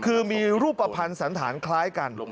คือมีรูปภัณฑ์สันธารคล้ายกัน